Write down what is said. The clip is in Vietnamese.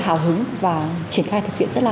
hào hứng và triển khai thực hiện rất là